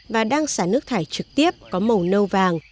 và đang xả nước thải trực tiếp có màu nâu vàng